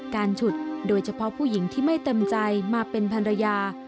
ฉุดโดยเฉพาะผู้หญิงที่ไม่เต็มใจมาเป็นภรรยา